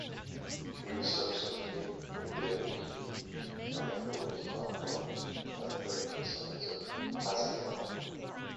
He was subsequently revealed to be Nightcrawler's half-brother, as both were sons of Azazel.